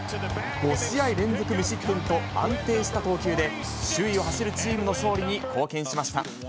５試合連続無失点と、安定した投球で、首位を走るチームの勝利に貢献しました。